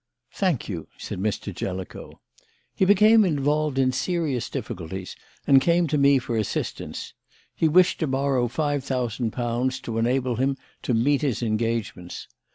"Thank you," said Mr. Jellicoe. "He became involved in serious difficulties and came to me for assistance. He wished to borrow five thousand pounds to enable him to meet his engagements.